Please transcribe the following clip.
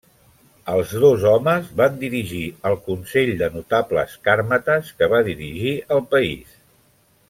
Els dos homes van dirigir el consell de notables càrmates que va dirigir el país.